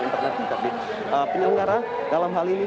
internet tapi penyelenggara dalam hal ini